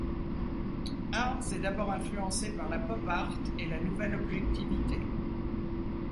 Arz est d'abord influencé par le pop art et la Nouvelle Objectivité.